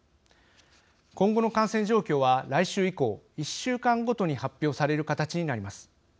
今後の感染状況は来週以降１週間ごとに発表される形になります。